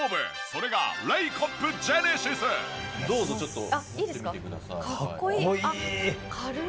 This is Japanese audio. それがどうぞちょっと持ってみてください。